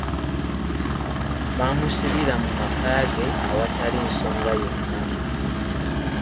Bamusibira mu maka ge awatali nsoga yona.